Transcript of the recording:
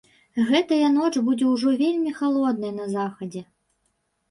Гэтая ноч будзе ўжо вельмі халоднай на захадзе.